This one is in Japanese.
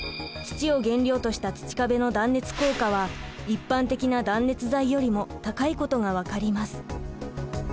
土を原料とした土壁の断熱効果は一般的な断熱材よりも高いことが分かります。